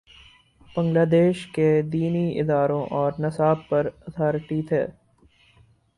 بنگلہ دیش کے دینی اداروں اور نصاب پر اتھارٹی تھے۔